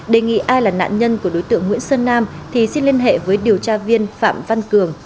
đề nghị ai là nạn nhân của đối tượng nguyễn sơn nam thì xin liên hệ với điều tra viên phạm văn cường